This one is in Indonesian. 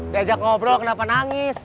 diajak ngobrol kenapa nangis